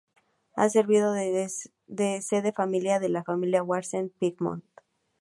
Ha servido de sede familiar de la familia Waldeck-Pyrmont.